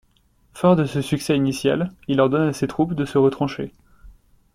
Fort de ce succès initial, il ordonne à ses troupes de se retrancher.